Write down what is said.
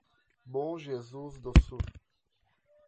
Bom Jesus do Sul